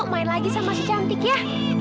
main lagi sama si cantik ya